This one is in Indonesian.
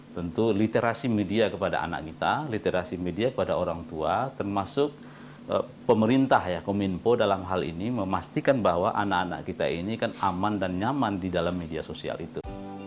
tentu literasi media kepada anak kita literasi media kepada orang tua termasuk pemerintah ya kominfo dalam hal ini memastikan bahwa anak anak kita ini kan aman dan nyaman di dalam media sosial itu